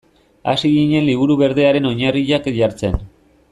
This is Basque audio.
Hasi ginen Liburu Berdearen oinarriak jartzen.